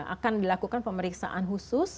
akan dilakukan pemeriksaan khusus